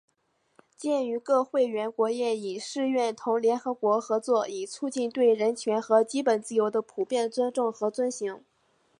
鉴于各会员国业已誓愿同联合国合作以促进对人权和基本自由的普遍尊重和遵行